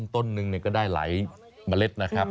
ต้นหนึ่งก็ได้หลายเมล็ดนะครับ